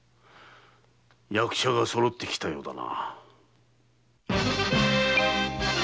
役者が揃ってきたようだな。